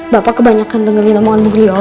bapak kebanyakan dengerin omongan bu guriola